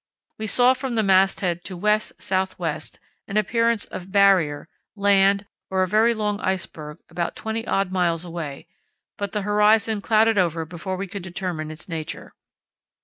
We saw from the masthead to west south west an appearance of barrier, land, or a very long iceberg, about 20 odd miles away, but the horizon clouded over before we could determine its nature.